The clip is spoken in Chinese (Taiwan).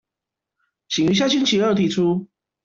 請於下星期二提出